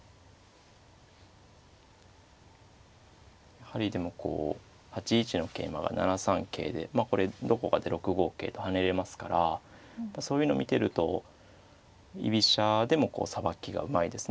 やはりでもこう８一の桂馬が７三桂でまあこれどこかで６五桂と跳ねれますからそういうの見てると居飛車でもこうさばきがうまいですね